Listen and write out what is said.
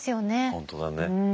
本当だね。